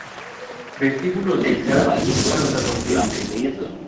Vestíbulo Hospital Infanta Sofía